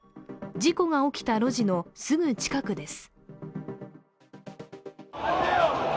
事故が起きた路地のすぐ近くです。